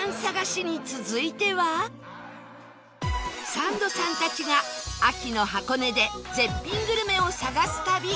サンドさんたちが、秋の箱根で絶品グルメを探す旅！